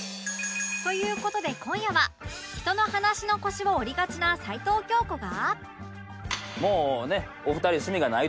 という事で今夜は人の話の腰を折りがちな齊藤京子が